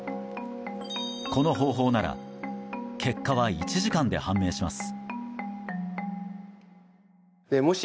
この方法なら結果は１時間で判明します。